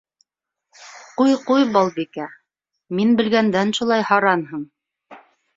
Ҡуй, ҡуй, Балбикә, мин белгәндән шулай һаранһың!